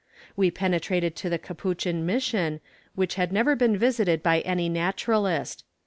We penetrated to the Capuchin mission, which had never been visited by any naturalist.